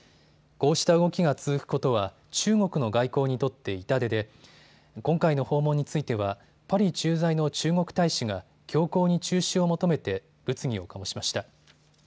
こうした動きが続くことは中国の外交にとって痛手で今回の訪問についてはパリ駐在の中国大使が強硬に中止を求めて物議を醸しました。